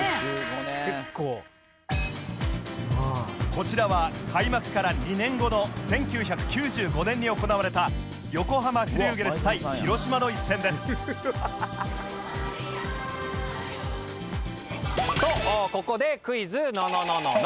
こちらは開幕から２年後の１９９５年に行われた横浜フリューゲルス対広島の一戦ですとここでクイズ！！ののののの！！！！！